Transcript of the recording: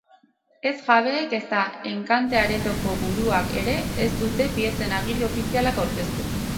Ez jabeek ezta enkante aretoko buruak ere ez dute piezen agiri ofizialak aurkeztu.